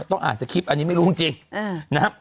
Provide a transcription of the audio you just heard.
ต้องอ่าน๑๐๐๐คลิปฯอันนี้ไม่รู้จริง